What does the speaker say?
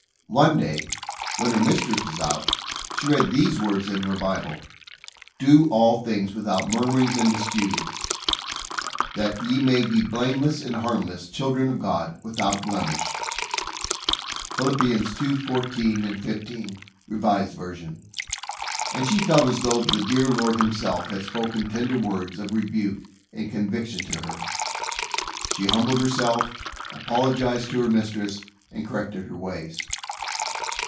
One day, when her mistress was out, she read these words in her Bible: "Do all things without murmur ings and disputings; that ye may be blame less and harmless, children of God without blemish." (Phil. 2: 14, 15, R. V.), and she felt as though the dear Lord Himself had spoken tender words of rebuke and convic tion to her. She humbled herself, apologized to her mistress, and corrected her ways.